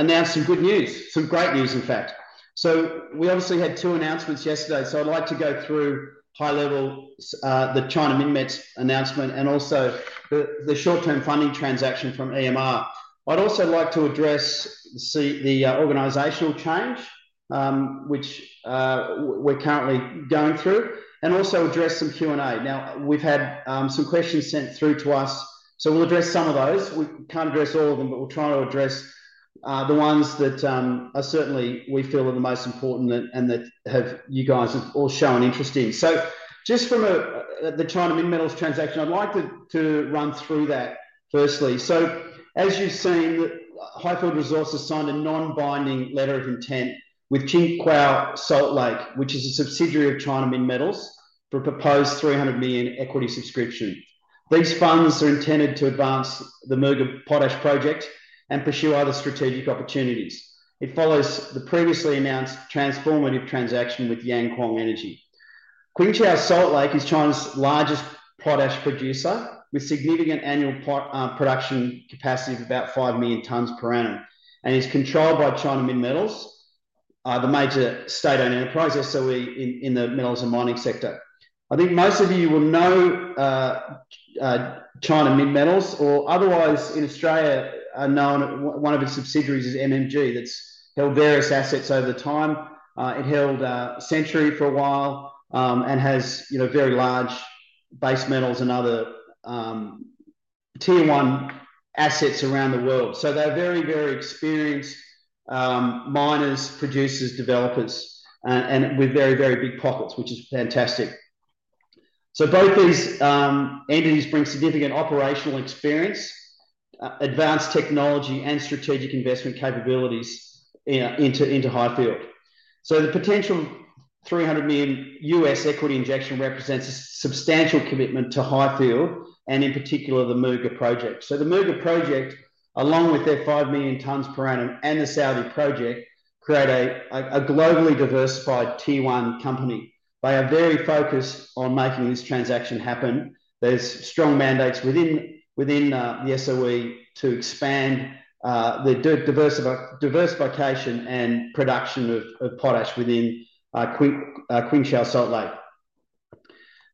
Announce some good news, some great news in fact. We obviously had two announcements yesterday, so I'd like to go through high level, the China Minmetals announcement and also the short-term funding transaction from AMR. I'd also like to address the organizational change, which we're currently going through, and also address some Q&A. Now, we've had some questions sent through to us, so we'll address some of those. We can't address all of them, but we'll try to address the ones that are certainly we feel are the most important and that you guys have all shown interest in. Just from the China Minmetals transaction, I'd like to run through that firstly. As you've seen, Highfield Resources signed a non-binding letter of intent with Qinghai Salt Lake, which is a subsidiary of China Minmetals, for a proposed $300 million equity subscription. These funds are intended to advance the Muga Potash project and pursue other strategic opportunities. It follows the previously announced transformative transaction with Yankuang Energy. Qinghai Salt Lake is China's largest potash producer with significant annual potash production capacity of about 5 million tonnes per annum, and is controlled by China Minmetals, the major state-owned enterprise, so we, in the metals and mining sector. I think most of you will know China Minmetals or otherwise in Australia, known, one of its subsidiaries is MMG that's held various assets over time. It held Century for a while, and has, you know, very large base metals and other Tier 1 assets around the world. They are very, very experienced miners, producers, developers, and with very, very big pockets, which is fantastic. Both these entities bring significant operational experience, advanced technology, and strategic investment capabilities, you know, into Highfield. The potential $300 million equity injection represents a substantial commitment to Highfield and in particular the Muga project. The Muga project, along with their 5 million tonnes per annum and the Saudi project, create a globally diversified Tier 1 company. They are very focused on making this transaction happen. There are strong mandates within the SOE to expand the diversification and production of potash within Qinghai Salt Lake.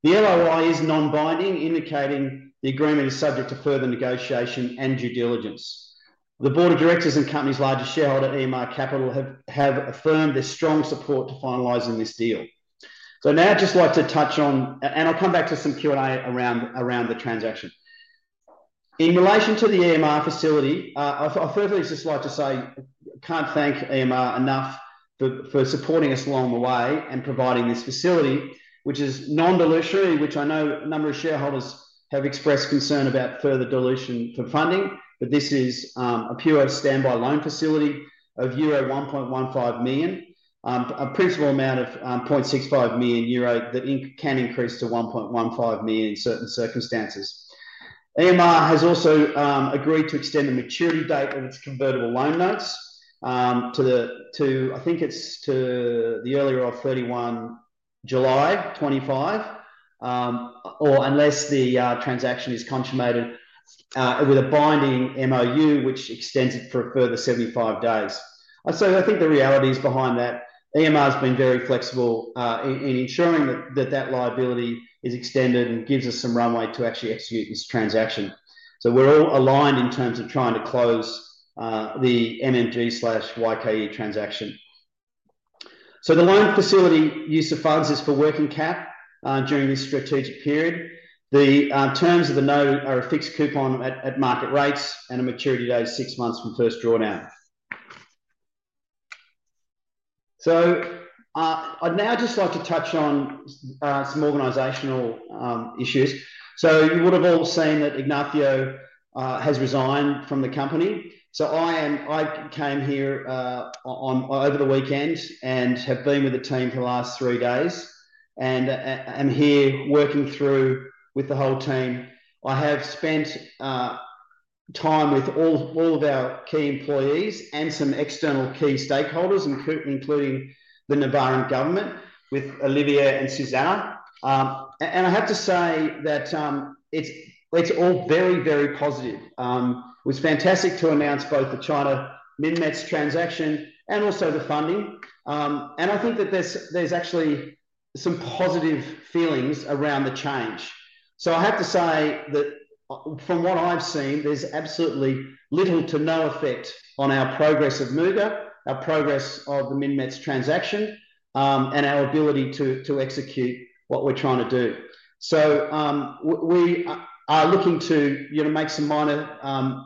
The LOI is non-binding, indicating the agreement is subject to further negotiation and due diligence. The Board of Directors and Company's largest shareholder, AMR Capital, have affirmed their strong support to finalizing this deal. Now I'd just like to touch on, and I'll come back to some Q&A around the transaction. In relation to the AMR facility, I firstly just like to say I can't thank AMR enough for supporting us along the way and providing this facility, which is non-dilutionary, which I know a number of shareholders have expressed concern about further dilution for funding, but this is a pure standby loan facility of euro 1.15 million, a principal amount of 0.65 million euro that can increase to 1.15 million in certain circumstances. AMR has also agreed to extend the maturity date of its convertible loan notes to the, to I think it's to the earlier of July 31, 2025, or unless the transaction is consummated with a binding MOU, which extends it for a further 75 days. I think the reality is behind that AMR has been very flexible in ensuring that that liability is extended and gives us some runway to actually execute this transaction. We're all aligned in terms of trying to close the MMG/YKE transaction. The loan facility use of funds is for working cap during this strategic period. The terms of the note are a fixed coupon at market rates and a maturity date of six months from first drawdown. I'd now just like to touch on some organisational issues. You would have all seen that Ignacio has resigned from the company. I came here over the weekend and have been with the team for the last three days and am here working through with the whole team. I have spent time with all of our key employees and some external key stakeholders, including the Navarran government with Olivier and Susana. I have to say that it's all very, very positive. It was fantastic to announce both the China Minmetals transaction and also the funding. I think that there's actually some positive feelings around the change. I have to say that from what I've seen, there's absolutely little to no effect on our progress of Muga, our progress of the Minmetals transaction, and our ability to execute what we're trying to do. We are looking to, you know, make some minor,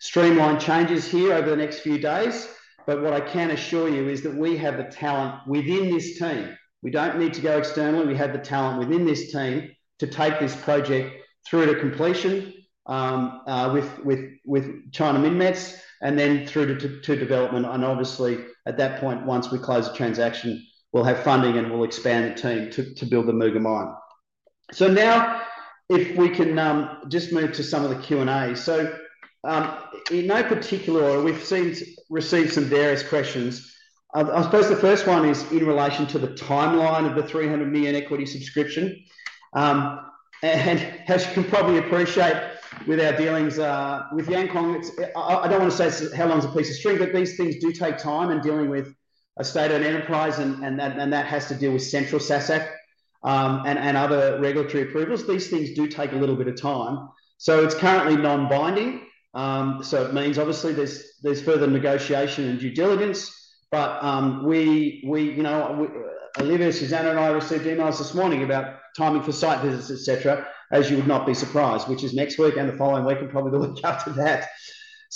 streamlined changes here over the next few days. What I can assure you is that we have the talent within this team. We don't need to go externally. We have the talent within this team to take this project through to completion, with China Minmetals and then through to development. Obviously at that point, once we close the transaction, we'll have funding and we'll expand the team to build the Muga mine. Now if we can just move to some of the Q&A. In no particular order, we've received some various questions. I suppose the first one is in relation to the timeline of the $300 million equity subscription. As you can probably appreciate with our dealings with Yankuang, I don't want to say how long is a piece of string, but these things do take time. Dealing with a state-owned enterprise that has to deal with central SASAC and other regulatory approvals, these things do take a little bit of time. It is currently non-binding, so it means obviously there is further negotiation and due diligence. Olivier, Susana and I received emails this morning about timing for site visits, et cetera, as you would not be surprised, which is next week and the following week and probably the week after that.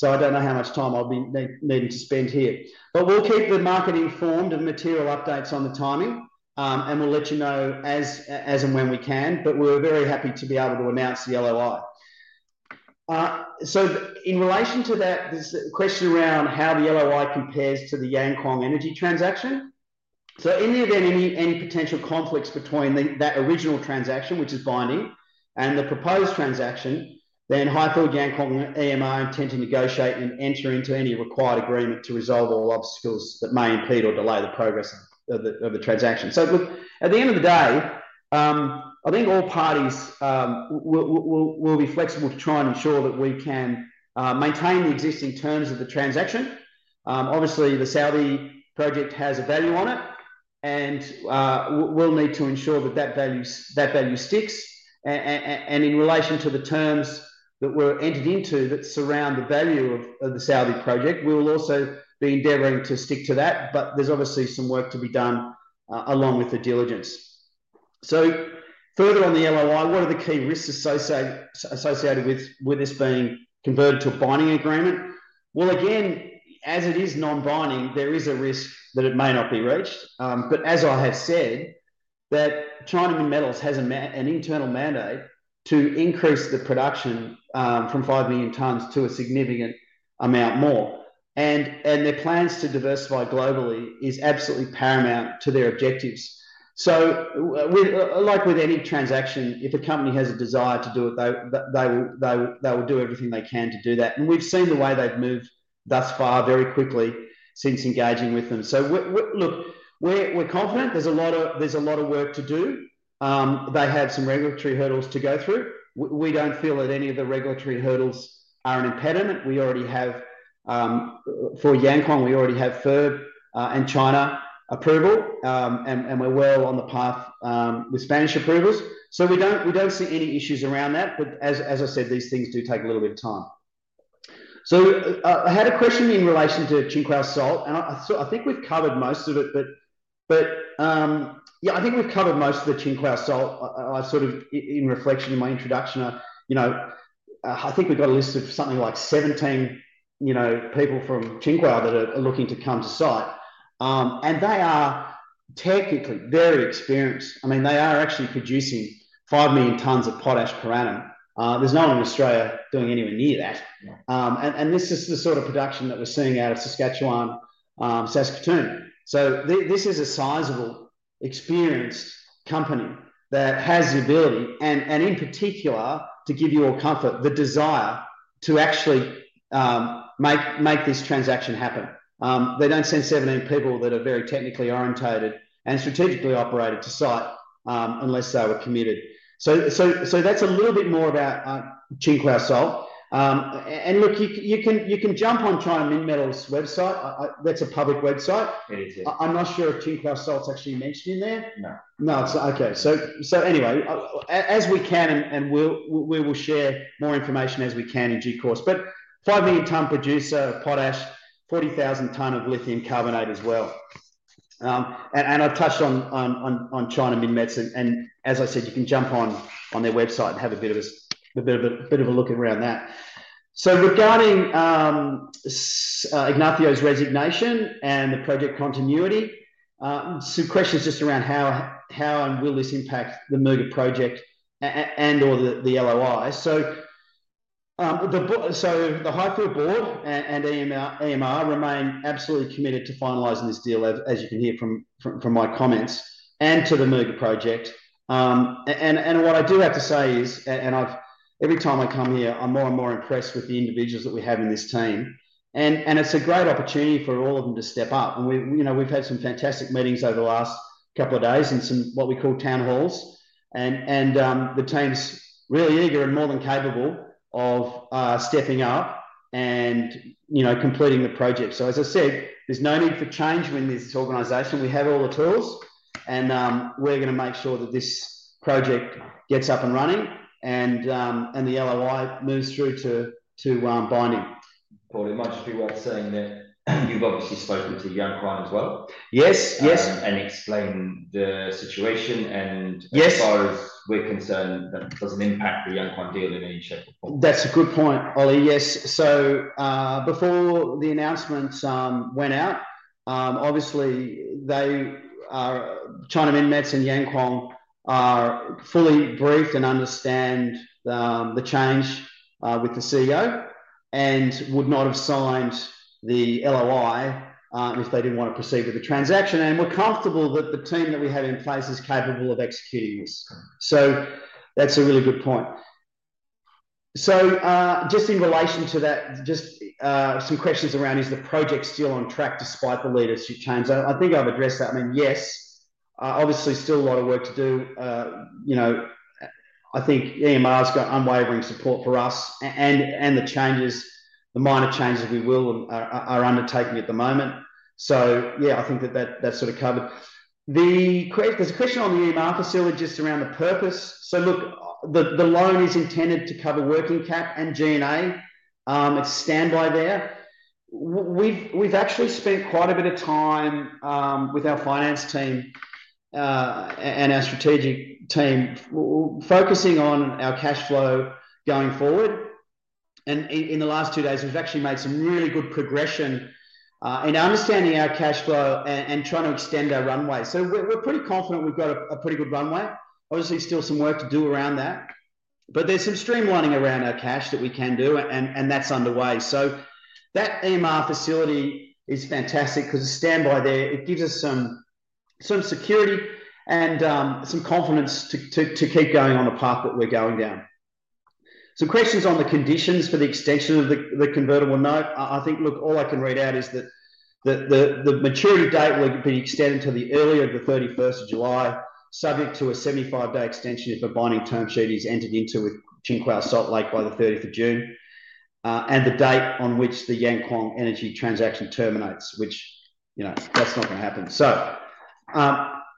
I do not know how much time I will be needing to spend here, but we will keep the market informed and provide material updates on the timing, and we will let you know as and when we can. We are very happy to be able to announce the LOI. In relation to that, there's a question around how the LOI compares to the Yankuang Energy transaction. In the event any potential conflicts between that original transaction, which is binding, and the proposed transaction, then Highfield, Yankuang, and AMR intend to negotiate and enter into any required agreement to resolve all obstacles that may impede or delay the progress of the transaction. At the end of the day, I think all parties will be flexible to try and ensure that we can maintain the existing terms of the transaction. Obviously, the Saudi project has a value on it and we'll need to ensure that value sticks. In relation to the terms that we're entered into that surround the value of the Saudi project, we will also be endeavoring to stick to that. There is obviously some work to be done, along with the diligence. Further on the LOI, what are the key risks associated with this being converted to a binding agreement? Again, as it is non-binding, there is a risk that it may not be reached. As I have said, China Minmetals has an internal mandate to increase the production from 5 million tonnes to a significant amount more. Their plans to diversify globally is absolutely paramount to their objectives. Like with any transaction, if a company has a desire to do it, they will do everything they can to do that. We have seen the way they have moved thus far very quickly since engaging with them. We're confident there's a lot of work to do. They have some regulatory hurdles to go through. We don't feel that any of the regulatory hurdles are an impediment. We already have, for Yankuang, we already have FIRB and China approval, and we're well on the path with Spanish approvals. We don't see any issues around that. As I said, these things do take a little bit of time. I had a question in relation to Qinghai Salt Lake, and I thought I think we've covered most of it, but, yeah, I think we've covered most of the Qinghai Salt Lake. I, I sort of in reflection in my introduction, I, you know, I think we've got a list of something like 17, you know, people from Qinghai that are, are looking to come to site. And they are technically very experienced. I mean, they are actually producing 5 million tonnes of potash per annum. There's no one in Australia doing anywhere near that. And, and this is the sort of production that we're seeing out of Saskatchewan, Saskatoon. This, this is a sizable experienced company that has the ability and, and in particular to give you all comfort, the desire to actually make, make this transaction happen. They don't send 17 people that are very technically orientated and strategically operated to site, unless they were committed. That's a little bit more about Qinghai Salt. And look, you, you can, you can jump on China Minmetals website. I, that's a public website. It is. I'm not sure if Qinghai Salt's actually mentioned in there. No. No, it's okay. Anyway, as we can, we will share more information as we can in due course. But 5 million tonne producer of potash, 40,000 tonne of lithium carbonate as well. I have touched on China Minmetals. As I said, you can jump on their website and have a bit of a look around that. Regarding Ignacio's resignation and the project continuity, some questions just around how and will this impact the Muga project and or the LOI. The Highfield board and AMR remain absolutely committed to finalizing this deal, as you can hear from my comments, and to the Muga project. What I do have to say is, every time I come here, I'm more and more impressed with the individuals that we have in this team. It's a great opportunity for all of them to step up. We've had some fantastic meetings over the last couple of days and some what we call town halls. The team's really eager and more than capable of stepping up and, you know, completing the project. As I said, there's no need for change within this organization. We have all the tools and we're going to make sure that this project gets up and running and the LOI moves through to binding. Paul, it might just be worth saying that you've obviously spoken to Yankuang as well. Yes, yes. And explained the situation and as far as we're concerned, that doesn't impact the Yankuang deal in any shape or form. That's a good point, Ollie. Yes. Before the announcement went out, obviously China Minmetals and Yankuang are fully briefed and understand the change with the CEO and would not have signed the LOI if they did not want to proceed with the transaction. We are comfortable that the team that we have in place is capable of executing this. That is a really good point. Just in relation to that, some questions around is the project still on track despite the leadership change? I think I have addressed that. I mean, yes, obviously still a lot of work to do. You know, I think AMR's got unwavering support for us and the changes, the minor changes we are undertaking at the moment. I think that is sort of covered. There is a question on the AMR facility just around the purpose. Look, the loan is intended to cover working cap and G&A. It is standby there. We have actually spent quite a bit of time with our finance team and our strategic team focusing on our cash flow going forward. In the last two days, we have actually made some really good progression in understanding our cash flow and trying to extend our runway. We are pretty confident we have got a pretty good runway. Obviously still some work to do around that, but there is some streamlining around our cash that we can do and that is underway. That AMR facility is fantastic because it is standby there. It gives us some security and some confidence to keep going on the path that we are going down. Some questions on the conditions for the extension of the convertible note. I think, look, all I can read out is that the maturity date will be extended to the earlier of the 31st of July, subject to a 75-day extension if a binding term sheet is entered into with Qinghai Salt Lake by the 30th of June, and the date on which the Yankuang Energy transaction terminates, which, you know, that's not going to happen.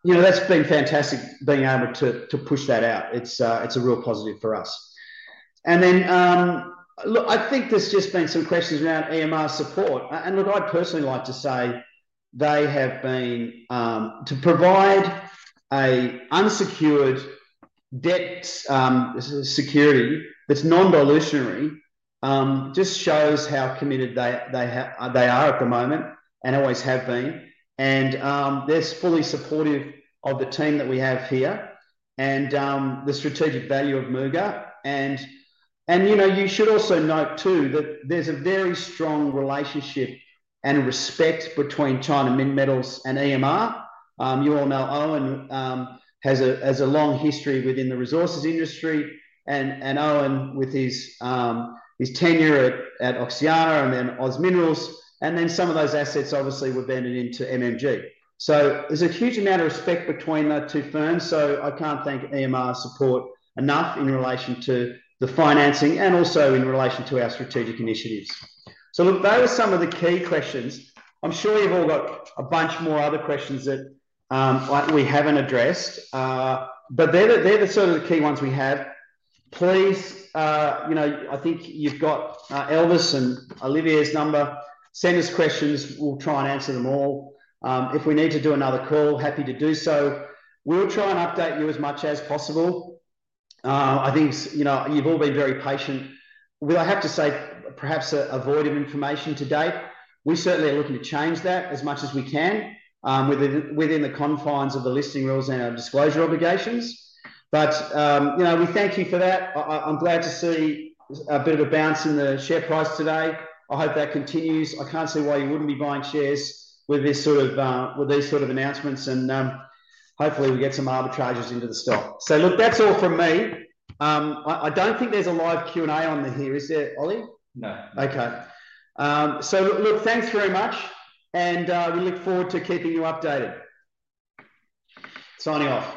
You know, that's been fantastic being able to push that out. It's a real positive for us. I think there's just been some questions around AMR support. I'd personally like to say they have been, to provide an unsecured debt security that's non-dilutionary, just shows how committed they are at the moment and always have been. They are fully supportive of the team that we have here and the strategic value of Muga. You should also note too that there is a very strong relationship and respect between China Minmetals and AMR. You all know Owen has a long history within the resources industry, and Owen with his tenure at Oxiana and then OZ Minerals. Some of those assets obviously were vended into MMG. There is a huge amount of respect between the two firms. I cannot thank AMR support enough in relation to the financing and also in relation to our strategic initiatives. Those are some of the key questions. I am sure you have all got a bunch more other questions that we have not addressed, but they are the key ones we have. Please, you know, I think you've got Elvis and Olivia's number. Send us questions. We'll try and answer them all. If we need to do another call, happy to do so. We'll try and update you as much as possible. I think, you know, you've all been very patient. I have to say perhaps a void of information to date. We certainly are looking to change that as much as we can, within the confines of the listing rules and our disclosure obligations. You know, we thank you for that. I'm glad to see a bit of a bounce in the share price today. I hope that continues. I can't see why you wouldn't be buying shares with this sort of, with these sort of announcements. Hopefully we get some arbitrages into the stock. Look, that's all from me. I don't think there's a live Q&A on here, is there, Ollie? No. Okay. So look, thanks very much. We look forward to keeping you updated. Signing off.